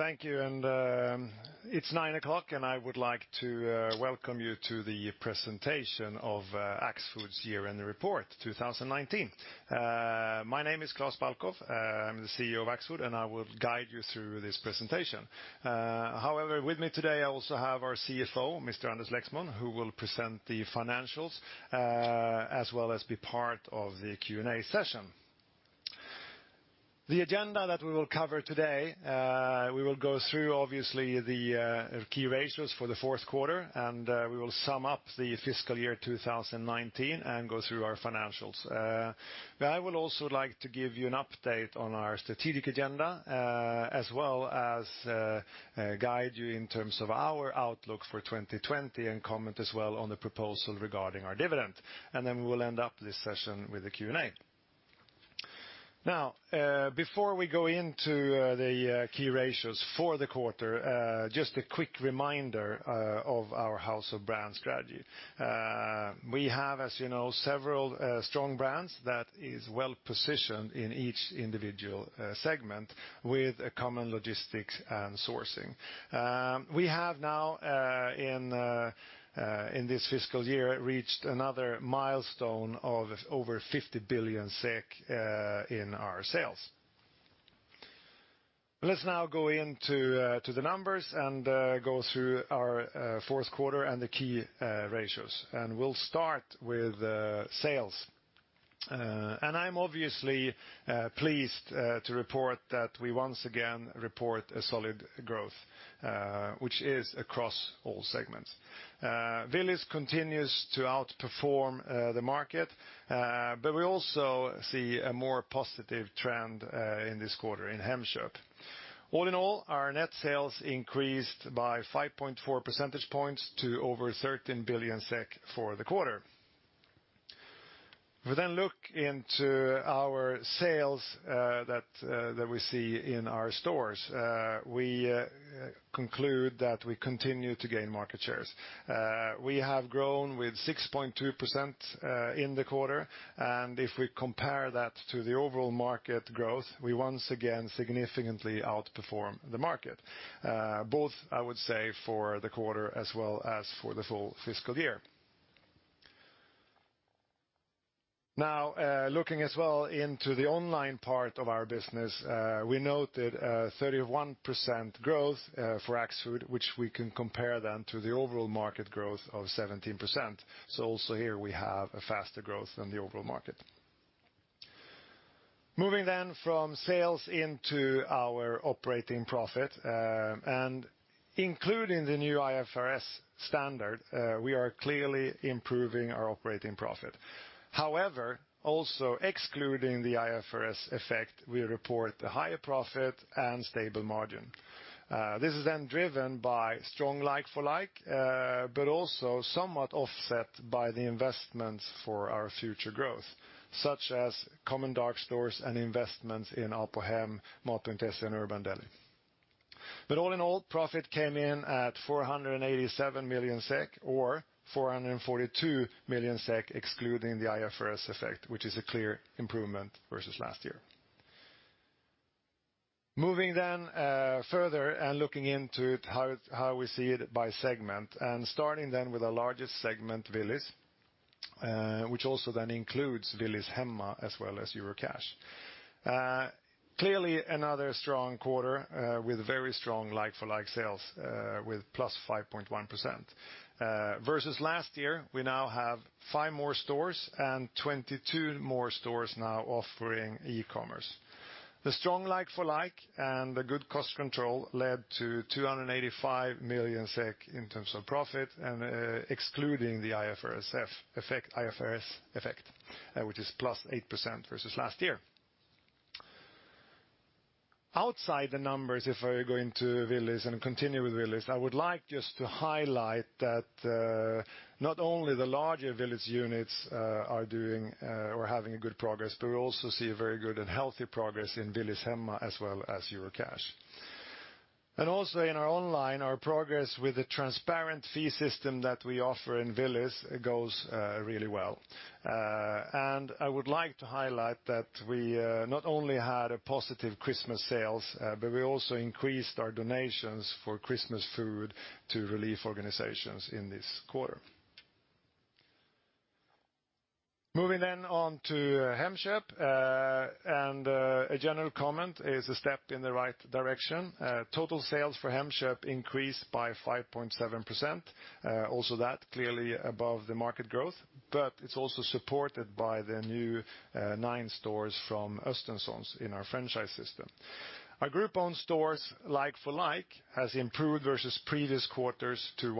Thank you. It's 9:00 A.M., and I would like to welcome you to the Presentation of Axfood's Year-End Report 2019. My name is Klas Balkow. I'm the CEO of Axfood, and I will guide you through this presentation. With me today, I also have our CFO, Mr. Anders Lexmon, who will present the financials, as well as be part of the Q&A session. The agenda that we will cover today, we will go through, obviously, the key ratios for the fourth quarter, and we will sum up the fiscal year 2019 and go through our financials. I would also like to give you an update on our strategic agenda, as well as guide you in terms of our outlook for 2020 and comment as well on the proposal regarding our dividend. We will end up this session with the Q&A. Before we go into the key ratios for the quarter, just a quick reminder of our house of brands strategy. We have, as you know, several strong brands that is well-positioned in each individual segment with a common logistics and sourcing. We have now, in this fiscal year, reached another milestone of over 50 billion SEK in our sales. Let's now go into the numbers and go through our fourth quarter and the key ratios. We'll start with sales. I'm obviously pleased to report that we once again report a solid growth, which is across all segments. Willys continues to outperform the market, we also see a more positive trend in this quarter in Hemköp. All in all, our net sales increased by 5.4 percentage points to over 13 billion SEK for the quarter. We look into our sales that we see in our stores. We conclude that we continue to gain market shares. We have grown with 6.2% in the quarter, and if we compare that to the overall market growth, we once again significantly outperform the market, both, I would say, for the quarter as well as for the full fiscal year. Now, looking as well into the online part of our business we noted a 31% growth for Axfood, which we can compare then to the overall market growth of 17%. Also here we have a faster growth than the overall market. Moving then from sales into our operating profit, and including the new IFRS standard we are clearly improving our operating profit. However, also excluding the IFRS effect, we report a higher profit and stable margin. This is driven by strong like-for-like but also somewhat offset by the investments for our future growth, such as common dark stores and investments in Apohem, Mat.se, and Urban Deli. All in all, profit came in at 487 million SEK, or 442 million SEK excluding the IFRS effect, which is a clear improvement versus last year. Moving further and looking into how we see it by segment, starting with our largest segment, Willys, which also includes Willys Hemma as well as Eurocash. Clearly another strong quarter with very strong like-for-like sales with +5.1%. Versus last year, we now have five more stores and 22 more stores now offering e-commerce. The strong like-for-like and the good cost control led to 285 million SEK in terms of profit and excluding the IFRS effect, which is +8% versus last year. Outside the numbers, if I go into Willys and continue with Willys, I would like just to highlight that not only the larger Willys units are doing or having a good progress, but we also see a very good and healthy progress in Willys Hemma as well as Eurocash. Also in our online, our progress with the transparent fee system that we offer in Willys goes really well. I would like to highlight that we not only had positive Christmas sales, but we also increased our donations for Christmas food to relief organizations in this quarter. Moving then on to Hemköp, and a general comment is a step in the right direction. Total sales for Hemköp increased by 5.7%. Also that clearly above the market growth, but it's also supported by the new nine stores from Östenssons in our franchise system. Our group-owned stores like-for-like has improved versus previous quarters to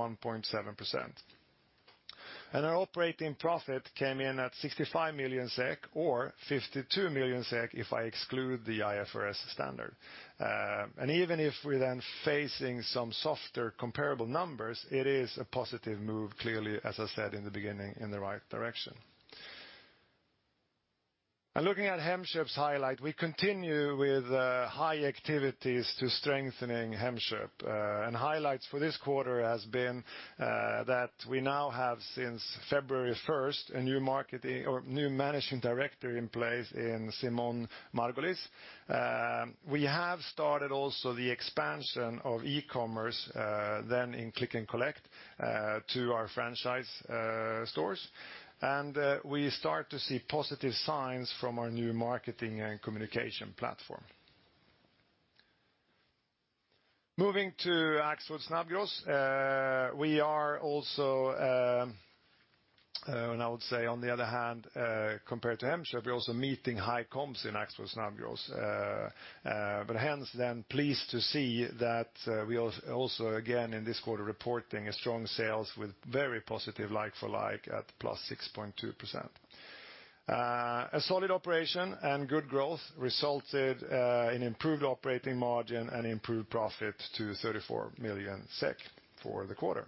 1.7%. Our operating profit came in at 65 million SEK, or 52 million SEK if I exclude the IFRS standard. Even if we're then facing some softer comparable numbers, it is a positive move, clearly, as I said in the beginning, in the right direction. Looking at Hemköp's highlight, we continue with high activities to strengthening Hemköp. Highlights for this quarter has been that we now have, since February 1st, a new Managing Director in place in Simone Margulies. We have started also the expansion of e-commerce, then in click and collect, to our franchise stores. We start to see positive signs from our new marketing and communication platform. Moving to Axfood Snabbgross. We are also, and I would say on the other hand, compared to Hemköp, we're also meeting high comps in Axfood Snabbgross. Hence, then pleased to see that we also, again in this quarter, reporting strong sales with very positive like-for-like at +6.2%. A solid operation and good growth resulted in improved operating margin and improved profit to 34 million SEK for the quarter.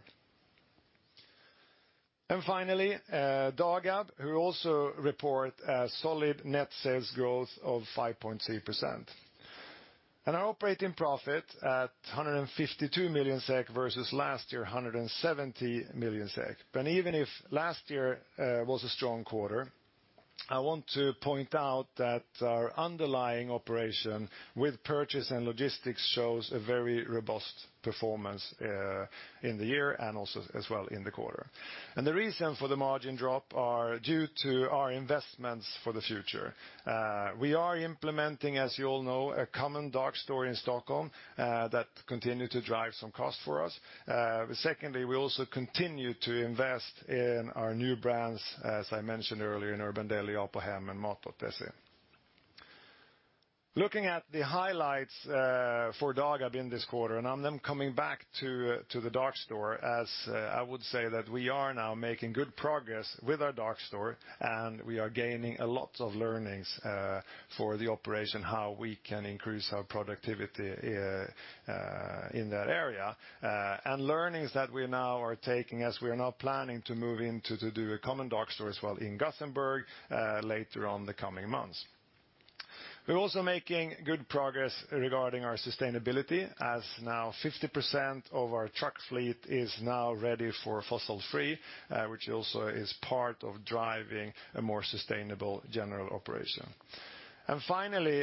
Finally, Dagab, who also report a solid net sales growth of 5.3%. Our operating profit at 152 million SEK versus last year, 170 million SEK. Even if last year was a strong quarter, I want to point out that our underlying operation with purchase and logistics shows a very robust performance in the year and also as well in the quarter. The reason for the margin drop are due to our investments for the future. We are implementing, as you all know, a common dark store in Stockholm that continue to drive some cost for us. Secondly, we also continue to invest in our new brands, as I mentioned earlier, in Urban Deli, Apohem, and Mat.se. Looking at the highlights for Dagab in this quarter, I'm then coming back to the dark store, as I would say that we are now making good progress with our dark store, and we are gaining a lot of learnings for the operation, how we can increase our productivity in that area. Learnings that we now are taking as we are now planning to move in to do a common dark store as well in Gothenburg later on in the coming months. We're also making good progress regarding our sustainability, as now 50% of our truck fleet is now ready for fossil free, which also is part of driving a more sustainable general operation. Finally,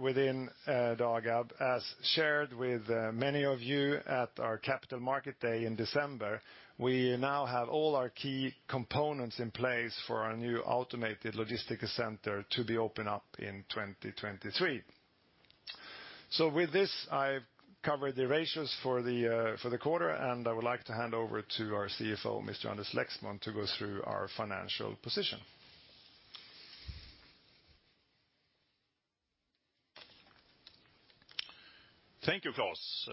within Dagab, as shared with many of you at our Capital Market Day in December, we now have all our key components in place for our new automated logistic center to be open up in 2023. With this, I've covered the ratios for the quarter, and I would like to hand over to our CFO, Mr. Anders Lexmon, to go through our financial position. Thank you, Klas.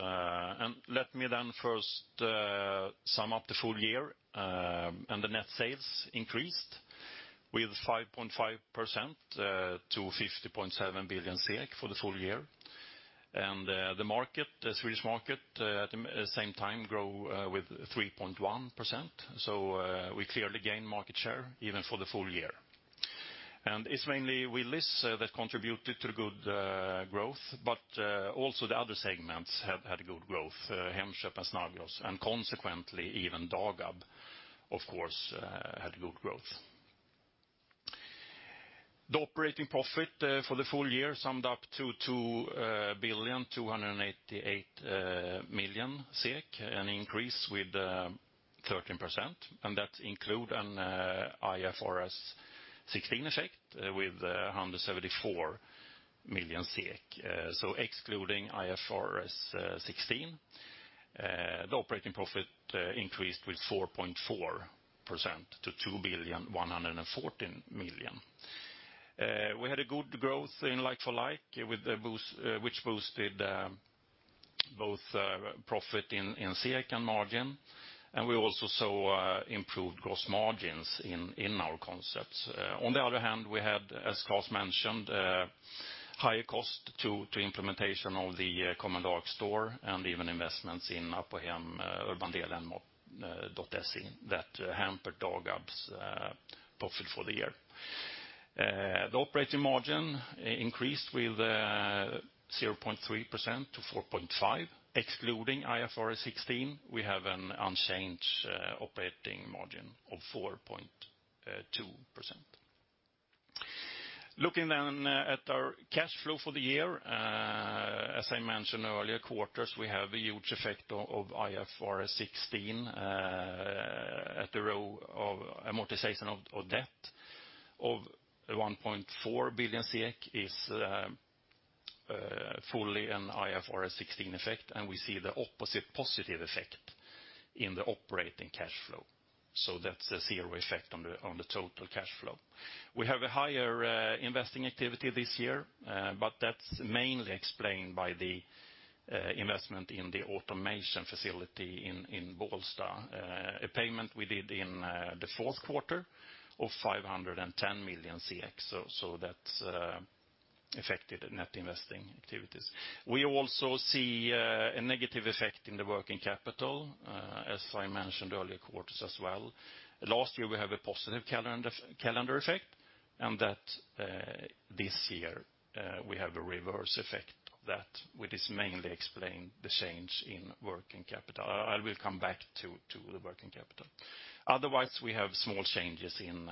Let me first sum up the full-year. The net sales increased with 5.5% to 50.7 billion for the full-year. The Swedish market at the same time grow with 3.1%. We clearly gained market share, even for the full-year. It's mainly Willys that contributed to the good growth, but also the other segments have had good growth, Hemköp and Snabbgross, and consequently, even Dagab, of course, had good growth. The operating profit for the full-year summed up to 2,288 million SEK, an increase with 13%, and that include an IFRS 16 effect with 174 million SEK. Excluding IFRS 16, the operating profit increased with 4.4% to 2,114 million. We had a good growth in like-for-like, which boosted both profit in SEK and margin. We also saw improved gross margins in our concepts. On the other hand, we had, as Klas mentioned, higher cost to implementation of the common dark store and even investments in Apohem, Urban Deli, and Mat.se that hampered Dagab's profit for the year. The operating margin increased with 0.3% to 4.5%. Excluding IFRS 16, we have an unchanged operating margin of 4.2%. Looking at our cash flow for the year. As I mentioned earlier quarters, we have a huge effect of IFRS 16 at the row of amortization of debt of 1.4 billion SEK is fully an IFRS 16 effect. We see the opposite positive effect in the operating cash flow. That's a zero effect on the total cash flow. We have a higher investing activity this year, that's mainly explained by the investment in the automation facility in Bålsta. A payment we did in the fourth quarter of 510 million, that's affected the net investing activities. We also see a negative effect in the working capital, as I mentioned earlier quarters as well. Last year we have a positive calendar effect, this year we have a reverse effect that which is mainly explained the change in working capital. I will come back to the working capital. Otherwise, we have small changes in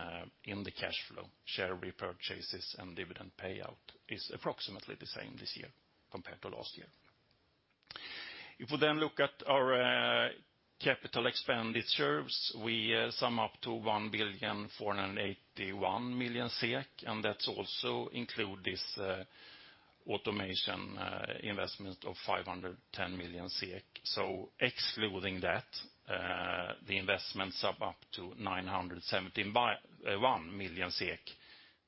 the cash flow. Share repurchases and dividend payout is approximately the same this year compared to last year. If we then look at our capital expenditures, we sum up to 1,481 million SEK, that's also including this automation investment of 510 million SEK. Excluding that, the investments are up to 971 million SEK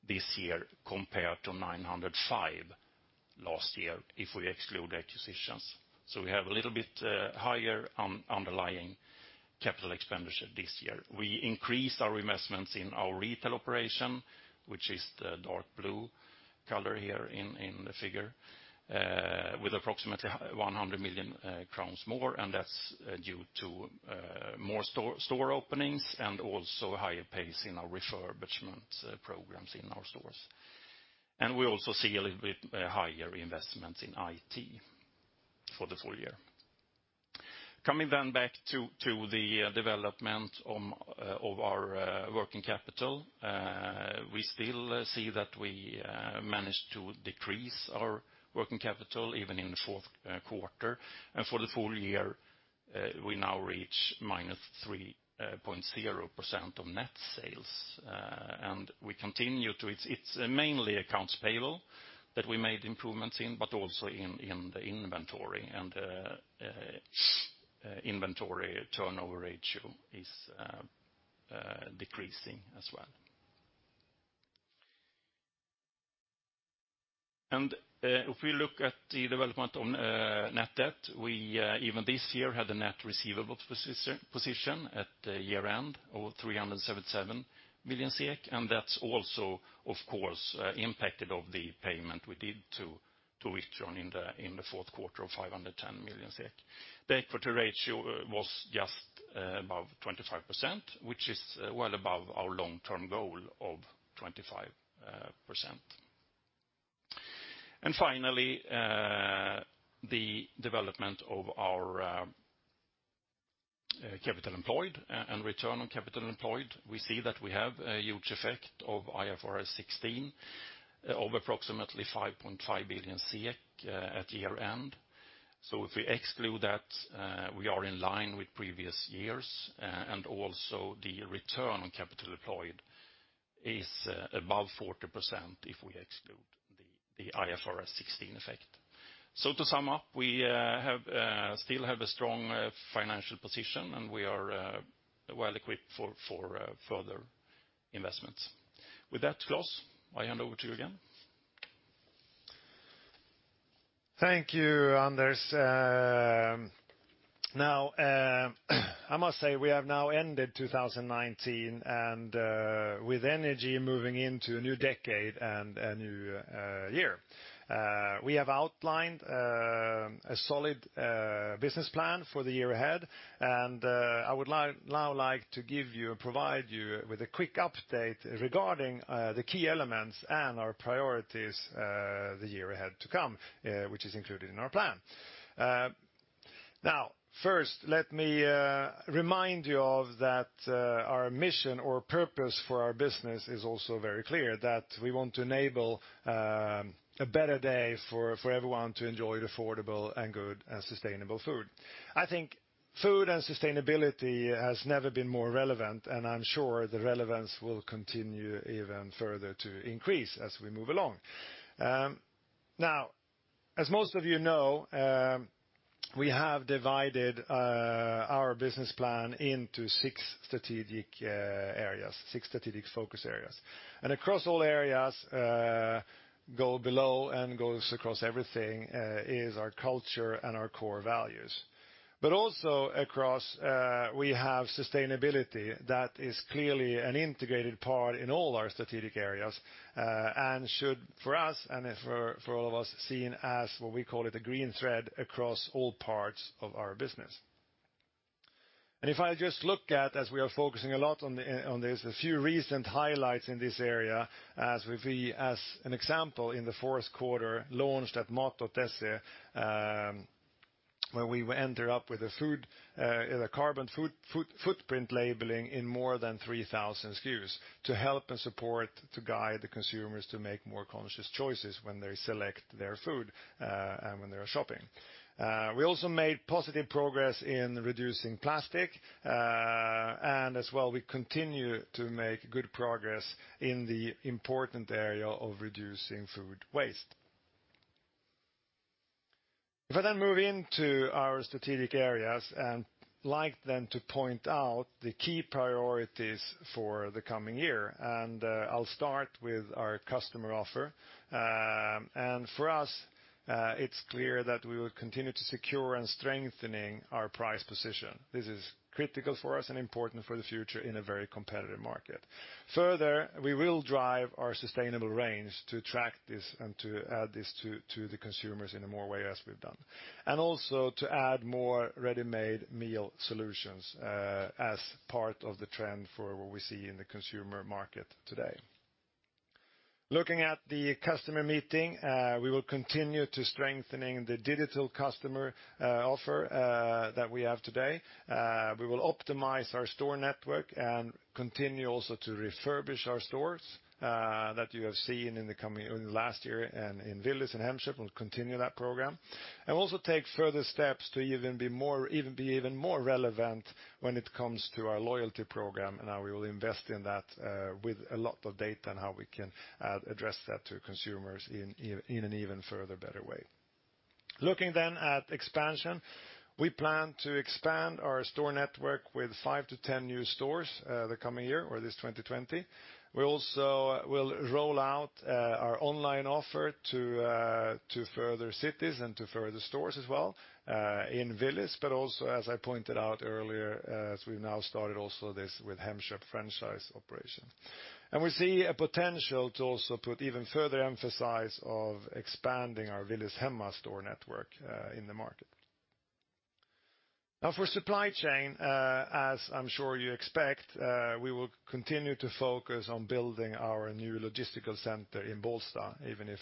this year compared to 905 million last year, if we exclude acquisitions. We have a little bit higher underlying capital expenditure this year. We increased our investments in our retail operation, which is the dark blue color here in the figure, with approximately 100 million crowns more. That's due to more store openings and also higher pace in our refurbishment programs in our stores. We also see a little bit higher investments in IT for the full-year. Back to the development of our working capital. We still see that we managed to decrease our working capital even in the fourth quarter. For the full-year, we now reach -3.0% of net sales. It's mainly accounts payable that we made improvements in, but also in the inventory. Inventory turnover ratio is decreasing as well. If we look at the development of net debt, we even this year had a net receivable position at year-end of 377,000,000 SEK, and that's also, of course, impacted of the payment we did to [2023] in the fourth quarter of 510,000,000 SEK. The equity ratio was just above 25%, which is well above our long-term goal of 25%. Finally, the development of our capital employed and return on capital employed. We see that we have a huge effect of IFRS 16 of approximately 5.5 billion SEK at year-end. If we exclude that, we are in line with previous years, and also the return on capital deployed is above 40% if we exclude the IFRS 16 effect. To sum up, we still have a strong financial position, and we are well-equipped for further investments. With that, Klas, I hand over to you again. Thank you, Anders. Now, I must say we have now ended 2019, and with energy moving into a new decade and a new year. We have outlined a solid business plan for the year ahead, and I would now like to give you or provide you with a quick update regarding the key elements and our priorities the year ahead to come, which is included in our plan. Now, first, let me remind you of that our mission or purpose for our business is also very clear, that we want to enable a better day for everyone to enjoy affordable and good and sustainable food. I think food and sustainability has never been more relevant, and I'm sure the relevance will continue even further to increase as we move along. Now, as most of you know, we have divided our business plan into six strategic focus areas. Across all areas, go below and goes across everything, is our culture and our core values. Also across, we have sustainability that is clearly an integrated part in all our strategic areas, and should for us and for all of us seen as what we call it a green thread across all parts of our business. If I just look at, as we are focusing a lot on this, a few recent highlights in this area as an example in the fourth quarter, launched at Mat.se where we ended up with a carbon footprint labeling in more than 3,000 SKUs to help and support to guide the consumers to make more conscious choices when they select their food and when they are shopping. We also made positive progress in reducing plastic, as well, we continue to make good progress in the important area of reducing food waste. If I move into our strategic areas like to point out the key priorities for the coming year, I'll start with our customer offer. For us, it's clear that we will continue to secure and strengthening our price position. This is critical for us and important for the future in a very competitive market. Further, we will drive our sustainable range to track this and to add this to the consumers in a more way as we've done. Also to add more ready-made meal solutions as part of the trend for what we see in the consumer market today. Looking at the customer meeting, we will continue to strengthening the digital customer offer that we have today. We will optimize our store network and continue also to refurbish our stores that you have seen in the last year in Willys and Hemköp, and continue that program. Also take further steps to even be even more relevant when it comes to our loyalty program, and how we will invest in that with a lot of data and how we can address that to consumers in an even further better way. Looking then at expansion, we plan to expand our store network with 5-10 new stores the coming year or this 2020. We also will roll out our online offer to further cities and to further stores as well in Willys, but also as I pointed out earlier, as we've now started also this with Hemköp franchise operation. We see a potential to also put even further emphasis of expanding our Willys Hemma store network in the market. For supply chain, as I'm sure you expect, we will continue to focus on building our new logistical center in Bålsta, even if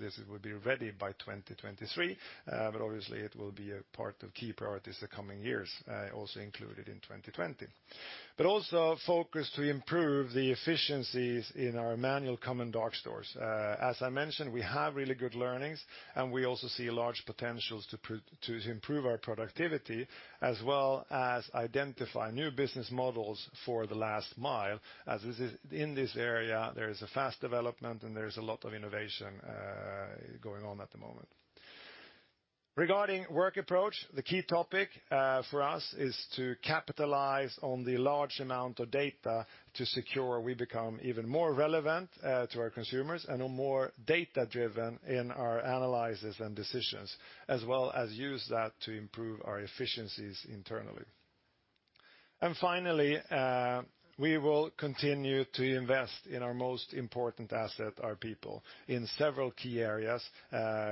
this would be ready by 2023. Obviously it will be a part of key priorities the coming years, also included in 2020. Also focus to improve the efficiencies in our manual common dark stores. I mentioned, we have really good learnings, and we also see large potentials to improve our productivity as well as identify new business models for the last mile. In this area, there is a fast development and there is a lot of innovation going on at the moment. Regarding work approach, the key topic for us is to capitalize on the large amount of data to secure we become even more relevant to our consumers and are more data-driven in our analysis and decisions, as well as use that to improve our efficiencies internally. Finally, we will continue to invest in our most important asset, our people, in several key areas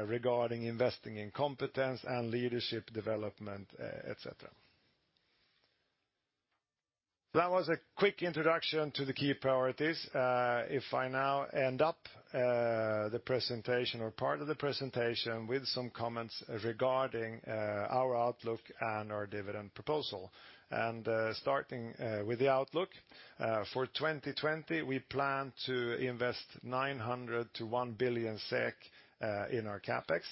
regarding investing in competence and leadership development, et cetera. That was a quick introduction to the key priorities. If I now end up the presentation or part of the presentation with some comments regarding our outlook and our dividend proposal. Starting with the outlook. For 2020, we plan to invest 900-1 billion SEK in our CapEx.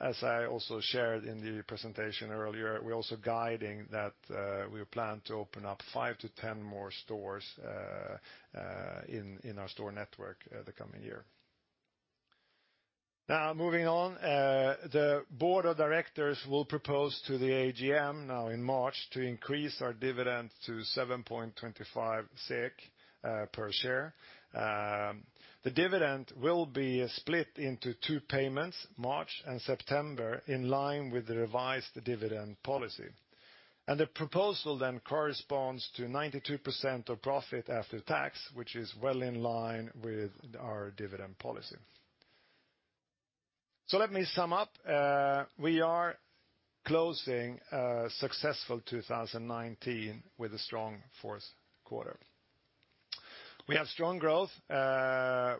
As I also shared in the presentation earlier, we're also guiding that we plan to open up 5-10 more stores in our store network the coming year. Now moving on, the board of directors will propose to the AGM now in March to increase our dividend to 7.25 SEK per share. The dividend will be split into two payments, March and September, in line with the revised dividend policy. The proposal corresponds to 92% of profit after tax, which is well in line with our dividend policy. Let me sum up. We are closing a successful 2019 with a strong fourth quarter. We have strong growth.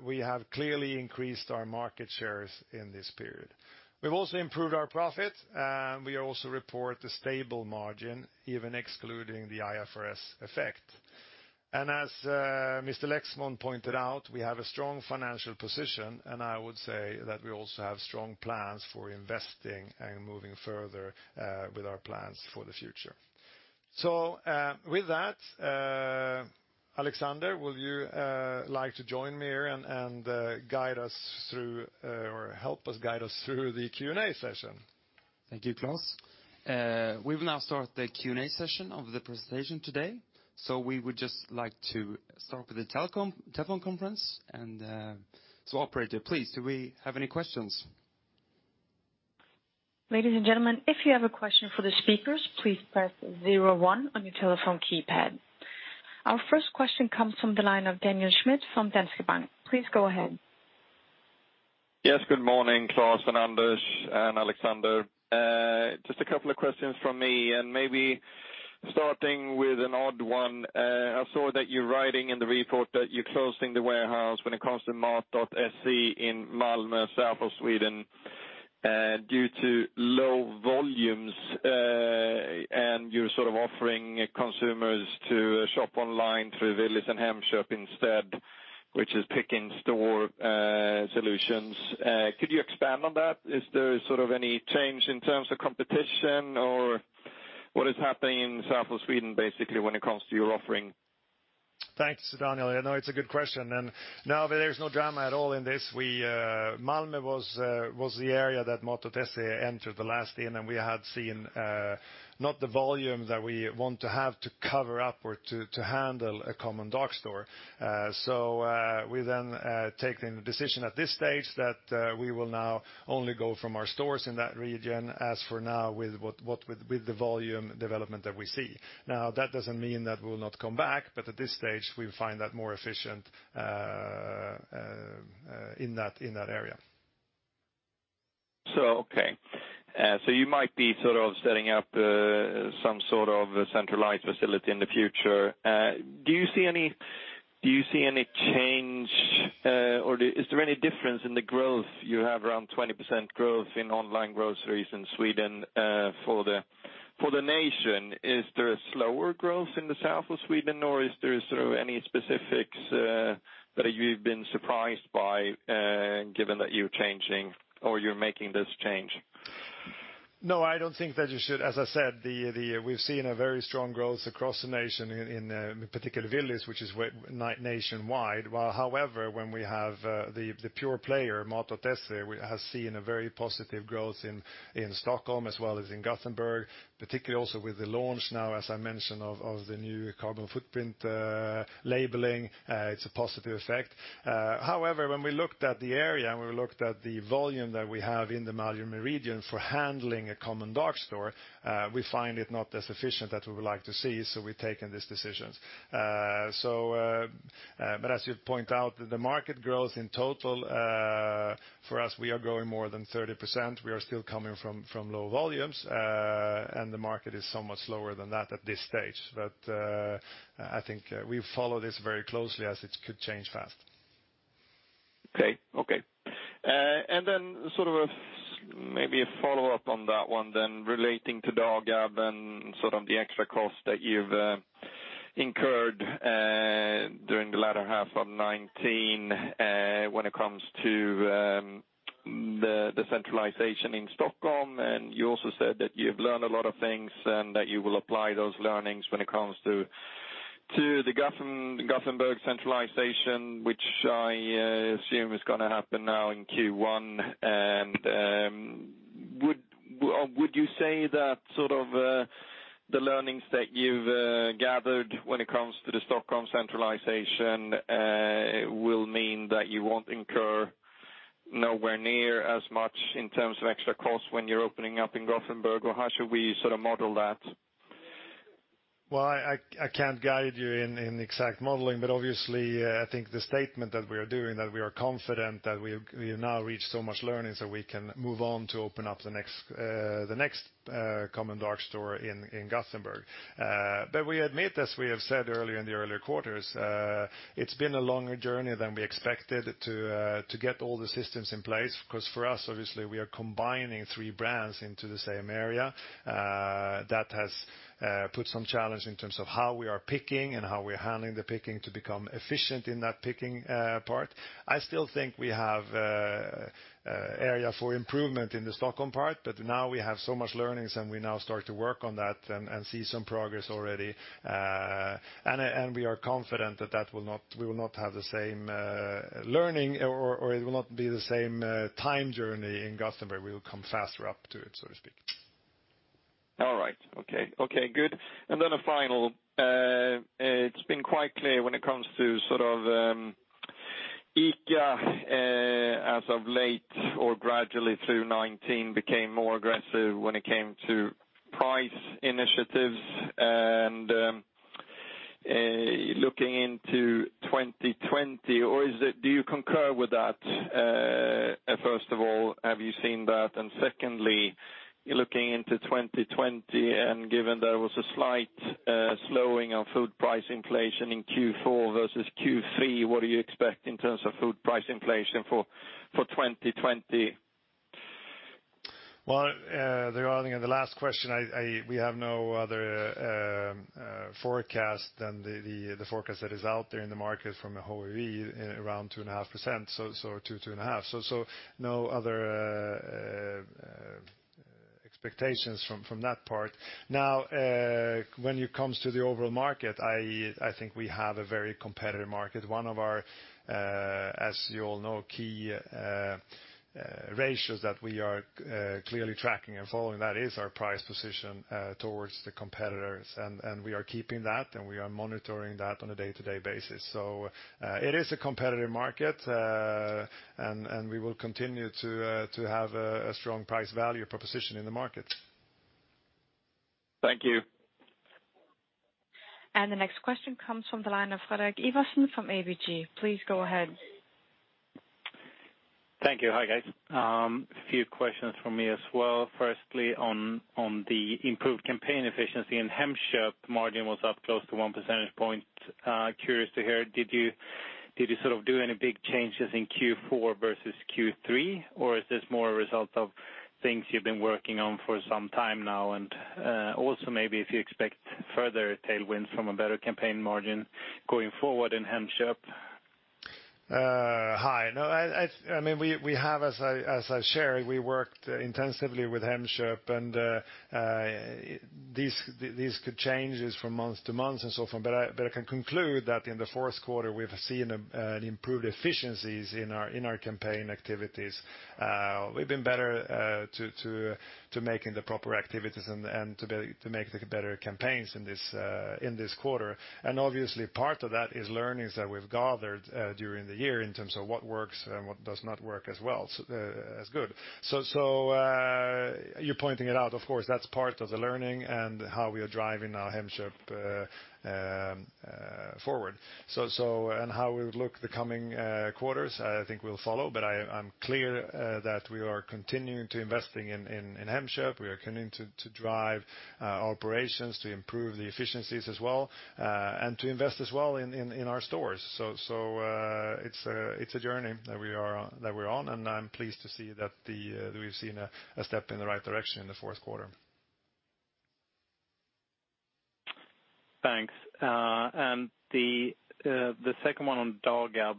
We have clearly increased our market shares in this period. We've also improved our profit, and we also report a stable margin, even excluding the IFRS effect. As Mr. Lexmon pointed out, we have a strong financial position, and I would say that we also have strong plans for investing and moving further with our plans for the future. With that, Alexander, would you like to join me here and guide us through or help us guide us through the Q&A session? Thank you, Klas. We will now start the Q&A session of the presentation today. We would just like to start with the telephone conference. Operator, please, do we have any questions? Ladies and gentlemen, if you have a question for the speakers, please press zero one on your telephone keypad. Our first question comes from the line of Daniel Schmidt from Danske Bank. Please go ahead. Yes, good morning, Klas and Anders and Alexander. Just a couple of questions from me and maybe starting with an odd one. I saw that you're writing in the report that you're closing the warehouse when it comes to Mat.se in Malmö, south of Sweden, due to low volumes, and you're offering consumers to shop online through Willys and Hemköp instead, which is pick in store solutions. Could you expand on that? Is there any change in terms of competition or what is happening in south of Sweden, basically when it comes to your offering? Thanks, Daniel. No, it's a good question. No, there's no drama at all in this. Malmö was the area that Mat.se entered the last in, and we had seen not the volume that we want to have to cover up or to handle a common dark store. We then taken the decision at this stage that we will now only go from our stores in that region as for now with the volume development that we see. That doesn't mean that we will not come back, but at this stage, we find that more efficient in that area. Okay. You might be setting up some sort of centralized facility in the future. Do you see any change or is there any difference in the growth? You have around 20% growth in online groceries in Sweden for the nation. Is there a slower growth in the south of Sweden or is there any specifics that you've been surprised by, given that you're changing or you're making this change? No, I don't think that you should. As I said, we've seen a very strong growth across the nation in particular Willys, which is nationwide. When we have the pure player, Mathem has seen a very positive growth in Stockholm as well as in Gothenburg, particularly also with the launch now, as I mentioned, of the new carbon footprint labeling. It's a positive effect. When we looked at the area and we looked at the volume that we have in the Malmö region for handling a Common Dark Store, we find it not as efficient that we would like to see, so we've taken these decisions. As you point out, the market growth in total, for us, we are growing more than 30%. We are still coming from low volumes, the market is so much lower than that at this stage. I think we follow this very closely as it could change fast. Okay. Maybe a follow-up on that one then relating to Dagab and sort of the extra cost that you've incurred during the latter half of 2019 when it comes to the centralization in Stockholm. You also said that you've learned a lot of things and that you will apply those learnings when it comes to the Gothenburg centralization, which I assume is going to happen now in Q1. Would you say that the learnings that you've gathered when it comes to the Stockholm centralization will mean that you won't incur nowhere near as much in terms of extra costs when you're opening up in Gothenburg? How should we model that? I can't guide you in the exact modeling, obviously, I think the statement that we are doing, that we are confident that we now reach so much learning so we can move on to open up the next common dark store in Gothenburg. We admit, as we have said earlier in the earlier quarters, it's been a longer journey than we expected to get all the systems in place, because for us, obviously, we are combining three brands into the same area. That has put some challenge in terms of how we are picking and how we're handling the picking to become efficient in that picking part. I still think we have area for improvement in the Stockholm part, but now we have so much learnings and we now start to work on that and see some progress already. We are confident that we will not have the same learning or it will not be the same time journey in Gothenburg. We will come faster up to it, so to speak. All right. Okay, good. Then a final. It's been quite clear when it comes to ICA as of late or gradually through 2019 became more aggressive when it came to price initiatives and looking into 2020. Do you concur with that? First of all, have you seen that? Secondly, looking into 2020 and given there was a slight slowing of food price inflation in Q4 versus Q3, what do you expect in terms of food price inflation for 2020? Well, regarding the last question, we have no other forecast than the forecast that is out there in the market from a whole view around 2.5%. 2.5%. No other expectations from that part. When it comes to the overall market, I think we have a very competitive market. One of our, as you all know, key ratios that we are clearly tracking and following that is our price position towards the competitors, and we are keeping that and we are monitoring that on a day-to-day basis. It is a competitive market, and we will continue to have a strong price-value proposition in the market. Thank you. The next question comes from the line of Fredrik Ivarsson from ABG. Please go ahead. Thank you. Hi, guys. A few questions from me as well. Firstly, on the improved campaign efficiency in Hemköp, margin was up close to 1 percentage point. Curious to hear, did you do any big changes in Q4 versus Q3? Is this more a result of things you've been working on for some time now? Also maybe if you expect further tailwinds from a better campaign margin going forward in Hemköp. Hi. We have, as I shared, we worked intensively with Hemköp. These could change from month-to-month and so forth. I can conclude that in the fourth quarter, we've seen improved efficiencies in our campaign activities. We've been better to making the proper activities and to make the better campaigns in this quarter. Obviously, part of that is learnings that we've gathered during the year in terms of what works and what does not work as well, as good. You're pointing it out, of course, that's part of the learning and how we are driving our Hemköp forward. How we would look the coming quarters, I think we'll follow, but I'm clear that we are continuing to investing in Hemköp. We are continuing to drive operations, to improve the efficiencies as well, and to invest as well in our stores. It's a journey that we're on, and I'm pleased to see that we've seen a step in the right direction in the fourth quarter. Thanks. The second one on Dagab,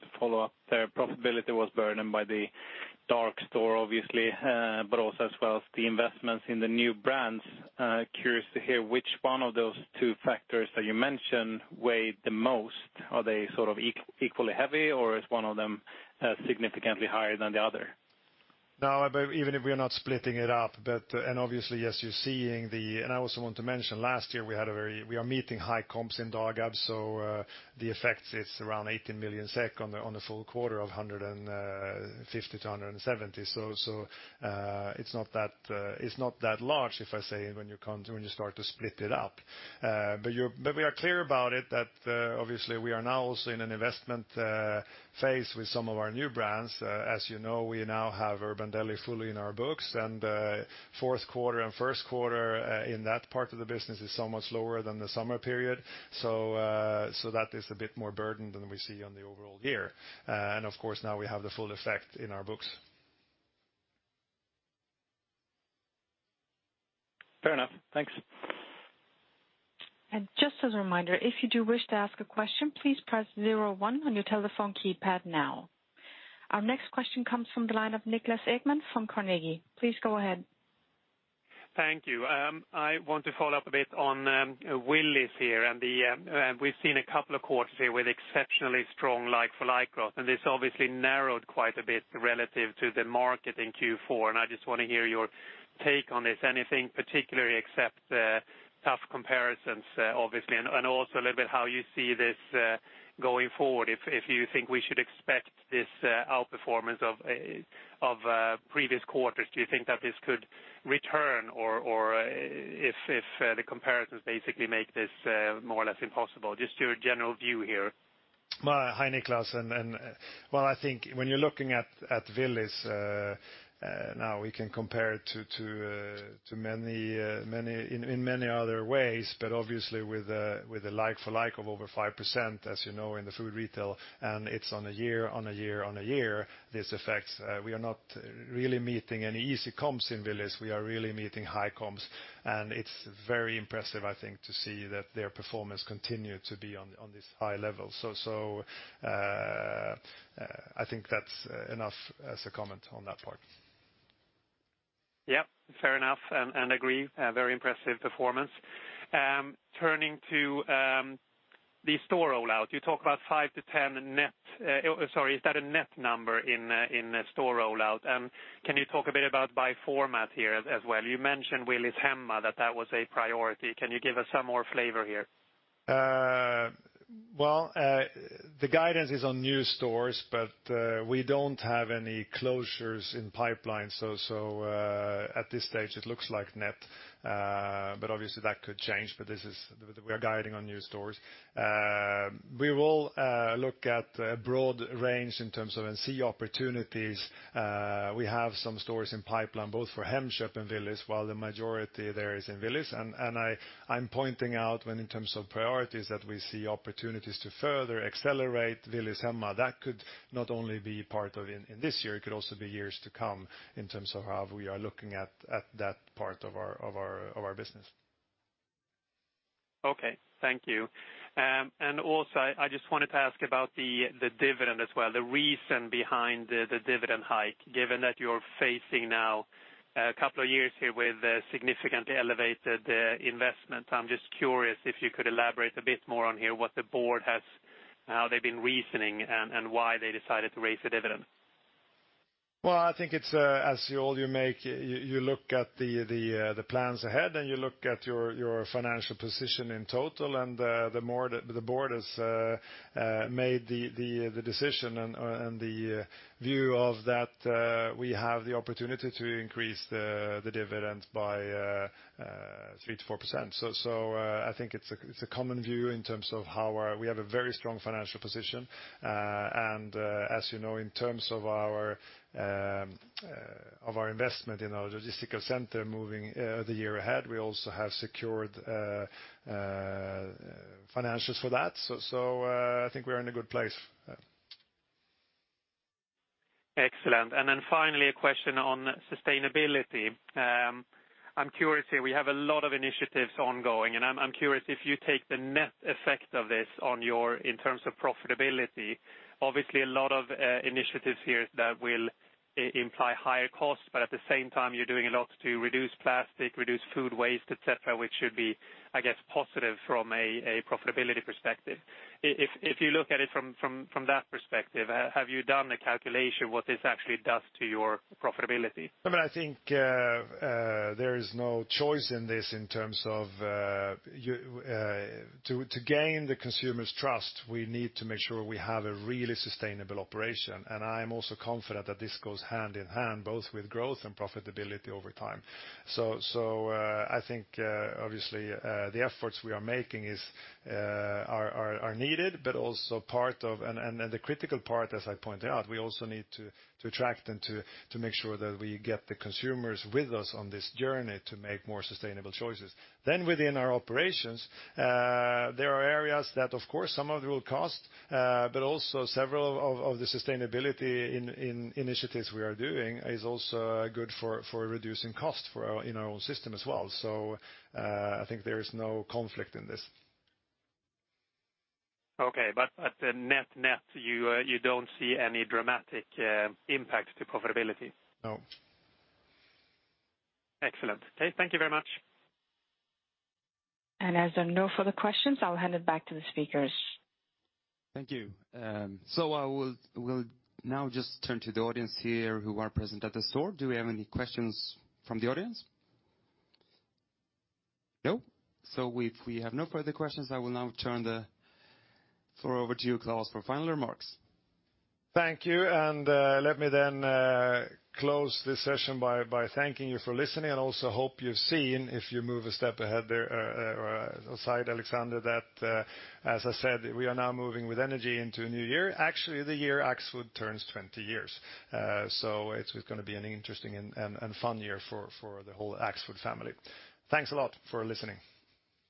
to follow-up there. Profitability was burdened by the dark store obviously, but also as well as the investments in the new brands. Curious to hear which one of those two factors that you mentioned weighed the most. Are they equally heavy, or is one of them significantly higher than the other? Even if we are not splitting it up, obviously, as you're seeing, I also want to mention, last year, we are meeting high comps in Dagab, so the effect is around 18 million SEK on the full-quarter of 150 million-170 million. It's not that large, if I say, when you start to split it up. We are clear about it that obviously we are now also in an investment phase with some of our new brands. As you know, we now have Urban Deli fully in our books, and fourth quarter and first quarter in that part of the business is so much lower than the summer period. That is a bit more burden than we see on the overall year. Of course, now we have the full effect in our books. Fair enough. Thanks. Just as a reminder, if you do wish to ask a question, please press zero one on your telephone keypad now. Our next question comes from the line of Niklas Ekman from Carnegie. Please go ahead. Thank you. I want to follow-up a bit on Willys here. We've seen a couple of quarters here with exceptionally strong like-for-like growth. This obviously narrowed quite a bit relative to the market in Q4. I just want to hear your take on this. Anything particularly except tough comparisons, obviously, also a little bit how you see this going forward, if you think we should expect this outperformance of previous quarters. Do you think that this could return, or if the comparisons basically make this more or less impossible? Just your general view here. Hi, Niklas. Well, I think when you're looking at Willys now, we can compare it in many other ways, but obviously with a like-for-like of over 5%, as you know, in the food retail, and it's on a year, this effect. We are not really meeting any easy comps in Willys. We are really meeting high comps. It's very impressive, I think, to see that their performance continued to be on this high level. I think that's enough as a comment on that part. Yep, fair enough, agree. A very impressive performance. Turning to the store rollout, you talk about 5-10 net, is that a net number in store rollout? Can you talk a bit about by format here as well? You mentioned Willys Hemma, that was a priority. Can you give us some more flavor here? The guidance is on new stores, but we don't have any closures in pipeline, so at this stage it looks like net. Obviously that could change, but we are guiding on new stores. We will look at a broad range in terms of and see opportunities. We have some stores in pipeline, both for Hemköp and Willys while the majority there is in Willys, and I'm pointing out when in terms of priorities that we see opportunities to further accelerate Willys Hemma. That could not only be part of in this year, it could also be years to come in terms of how we are looking at that part of our business. Okay. Thank you. Also, I just wanted to ask about the dividend as well, the reason behind the dividend hike, given that you're facing now a couple of years here with significantly elevated investment. I'm just curious if you could elaborate a bit more on here how the Board has been reasoning and why they decided to raise the dividend. I think it's as you look at the plans ahead and you look at your financial position in total, and the Board has made the decision and the view of that we have the opportunity to increase the dividend by 3%-4%. I think it's a common view in terms of how we have a very strong financial position. As you know, in terms of our investment in our logistical center moving the year ahead, we also have secured financials for that. I think we are in a good place. Excellent. Finally, a question on sustainability. I'm curious here, we have a lot of initiatives ongoing, and I'm curious if you take the net effect of this in terms of profitability. Obviously, a lot of initiatives here that will imply higher costs, but at the same time, you're doing a lot to reduce plastic, reduce food waste, et cetera, which should be, I guess, positive from a profitability perspective. If you look at it from that perspective, have you done a calculation what this actually does to your profitability? I think there is no choice in this in terms of to gain the consumer's trust, we need to make sure we have a really sustainable operation. I'm also confident that this goes hand-in-hand, both with growth and profitability over time. I think, obviously, the efforts we are making are needed, and the critical part, as I pointed out, we also need to attract and to make sure that we get the consumers with us on this journey to make more sustainable choices. Within our operations, there are areas that, of course, some of it will cost, but also several of the sustainability initiatives we are doing is also good for reducing cost in our own system as well. I think there is no conflict in this. Okay. At net-net, you don't see any dramatic impact to profitability? No. Excellent. Okay, thank you very much. As there are no further questions, I'll hand it back to the speakers. Thank you. We'll now just turn to the audience here who are present at the store. Do we have any questions from the audience? No. If we have no further questions, I will now turn the floor over to you, Klas, for final remarks. Thank you. Let me then close this session by thanking you for listening and also hope you've seen, if you move a step ahead there, or aside, Alexander, that as I said, we are now moving with energy into a new year. Actually, the year Axfood turns 20 years. It's going to be an interesting and fun year for the whole Axfood family. Thanks a lot for listening.